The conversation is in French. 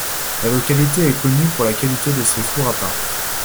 La localité est connue pour la qualité de ses fours à pains.